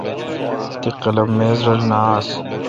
تی قلم میز رل نہ آس۔